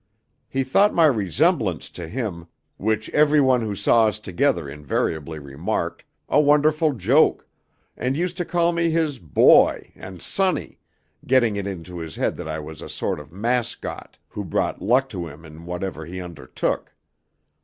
He thought my resemblance to him (which everyone who saw us together invariably remarked) a wonderful joke, and used to call me his 'boy,' and 'sonny,' getting it into his head that I was a sort of 'Mascot,' who brought luck to him in whatever he undertook.